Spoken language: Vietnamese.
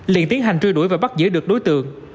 liền tiến hành truy đuổi và bắt giữ được đối tượng